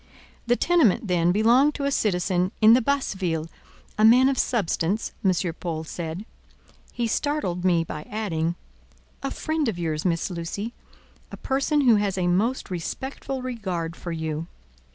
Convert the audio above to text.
The tenement, then, belonged to a citizen in the Basse Ville—a man of substance, M. Paul said; he startled me by adding: "a friend of yours, Miss Lucy, a person who has a most respectful regard for you."